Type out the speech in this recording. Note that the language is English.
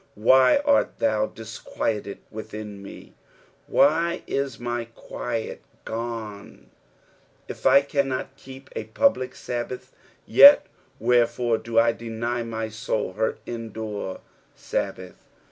"Why art thou diiqaieted teithin mef" Why is my quiet gooet If I cannot keep a public Subbath. yet wherefore do I deny my Houl her indoor Babbath